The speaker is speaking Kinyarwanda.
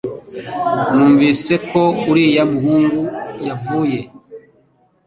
Numvise ko uriya muhungu yavuye